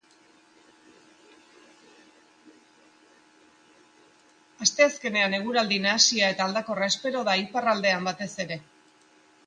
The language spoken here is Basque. Asteazkenean eguraldi nahasia eta aldakorra espero da, iparraldean batez ere.